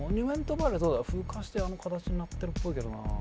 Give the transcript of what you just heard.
風化してあの形になってるっぽいけどな。